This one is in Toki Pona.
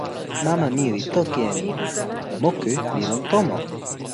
mama mi li toki e ni: moku li lon tomo.